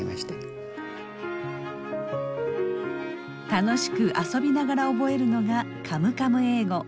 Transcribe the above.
楽しく遊びながら覚えるのが「カムカム英語」。